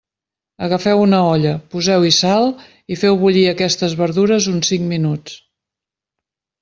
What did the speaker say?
Agafeu una olla, poseu-hi sal i feu bullir aquestes verdures uns cinc minuts.